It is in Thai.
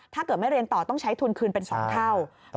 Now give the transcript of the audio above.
ถ้าเกิดไม่เรียนต่อต้องใช้ทุนคืนเป็น๒เท่า